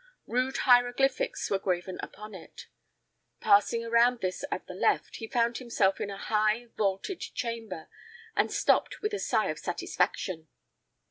Rude hieroglyphics were graven upon it. Passing around this at the left, he found himself in a high, vaulted chamber, and stopped with a sigh of satisfaction.